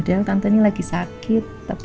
belong dulu dadah